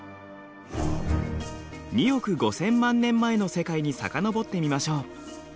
２億５，０００万年前の世界にさかのぼってみましょう。